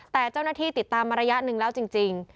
แต่เจ้าหน้าที่ติดตามมาระยะหนึ่งแล้วจริง